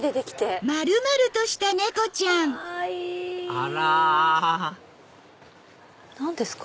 あら何ですか？